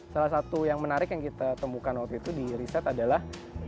salah satu yang menarik yang kita temukan waktu itu di riset adalah